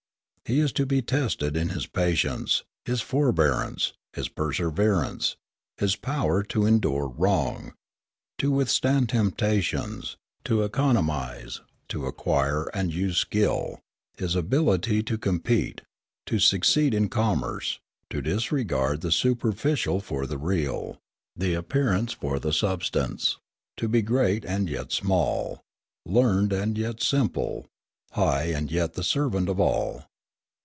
He is to be tested in his patience, his forbearance, his perseverance, his power to endure wrong, to withstand temptations, to economise, to acquire and use skill, his ability to compete, to succeed in commerce, to disregard the superficial for the real, the appearance for the substance, to be great and yet small, learned and yet simple, high and yet the servant of all.